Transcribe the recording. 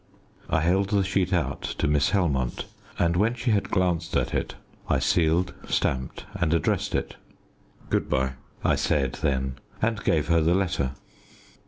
I held the sheet out to Miss Helmont, and, when she had glanced at it, I sealed, stamped, and addressed it. "Good bye," I said then, and gave her the letter.